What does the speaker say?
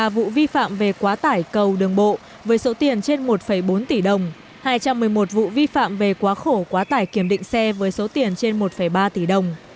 hai mươi vụ vi phạm về quá tải cầu đường bộ với số tiền trên một bốn tỷ đồng hai trăm một mươi một vụ vi phạm về quá khổ quá tải kiểm định xe với số tiền trên một ba tỷ đồng